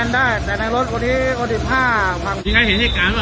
เมื่อไฟฟันก้อนเลยฟึงไปไม่ได้